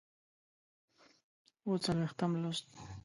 اووه څلوېښتم لوست